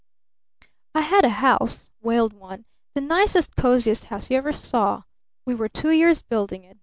"I had a house," wailed one, "the nicest, coziest house you ever saw. We were two years building it.